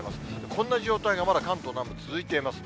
こんな状態がまだ関東南部、続いています。